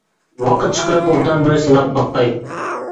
ۋاقىت چىقىرىپ ئوبدان بىر سىناپ باقاي.